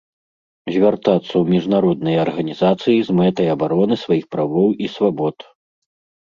Звяртацца ў міжнародныя арганізацыі з мэтай абароны сваіх правоў і свабод.